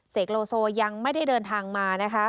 เศกโลโซยังไม่ได้เดินทางมา